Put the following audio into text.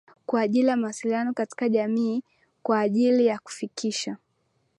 Kwa ajili ya mawasiliano katika jamii kwa ajili ya kufikisha